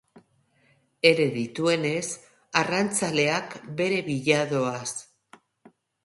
Ere dituenez, arrantzaleak bere bila doaz.